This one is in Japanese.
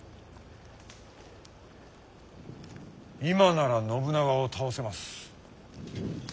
今なら信長を倒せます。